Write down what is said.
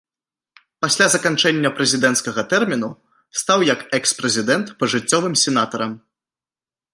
Пасля заканчэння прэзідэнцкага тэрміну стаў як экс-прэзідэнт пажыццёвым сенатарам.